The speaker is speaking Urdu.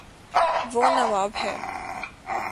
وہ نواب ہے